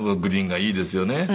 グリーンがいいですよね。